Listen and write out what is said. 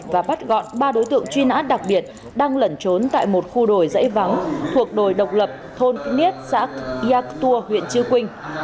và bắt gọn ba đối tượng truy nã đặc biệt đang lẩn trốn tại một khu đồi dãy vắng thuộc đồi độc lập thôn knietsak yaktur huyện chư quynh